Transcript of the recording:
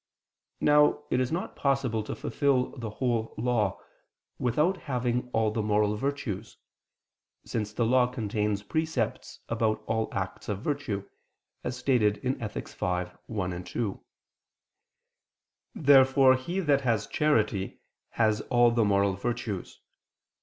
Now it is not possible to fulfil the whole Law, without having all the moral virtues: since the law contains precepts about all acts of virtue, as stated in Ethic. v, 1, 2. Therefore he that has charity, has all the moral virtues.